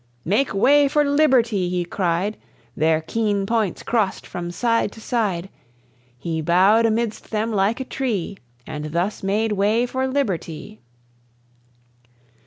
"Make way for liberty!" he cried. Their keen points crossed from side to side; He bowed amidst them like a tree, And thus made way for liberty.